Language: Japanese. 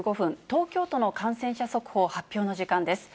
東京都の感染者速報発表の時間です。